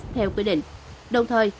theo quy định đồng thời